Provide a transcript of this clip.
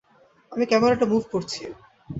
আমি ক্যামেরাটা মুভ করছি।